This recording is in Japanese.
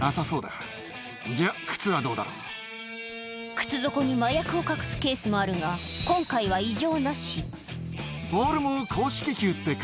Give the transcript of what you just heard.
靴底に麻薬を隠すケースもあるが今回はあっ。